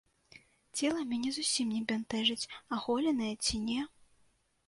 Цела мяне зусім не бянтэжыць, аголенае ці не.